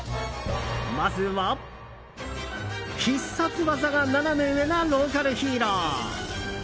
まずは、必殺技がナナメ上なローカルヒーロー。